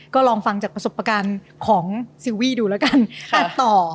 ก็ลองฟังจากประสบการณ์ของซิลวี่ดูแล้วกันตัดต่อ